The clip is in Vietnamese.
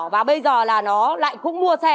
và bây giờ là nó lại cũng mua xe